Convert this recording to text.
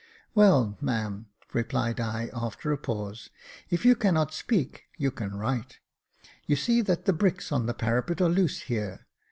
" Well, ma'am, "replied I, after a pause, if you cannot speak, you can write. You see that the bricks on the parapet are loose here.